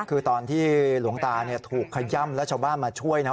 คือตอนที่หลวงตาถูกขย่ำแล้วชาวบ้านมาช่วยนะ